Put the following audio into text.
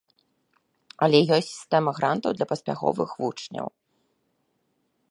Але ёсць сістэма грантаў для паспяховых вучняў.